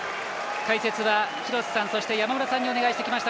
解説は廣瀬さん、山村さんにお願いしてきました。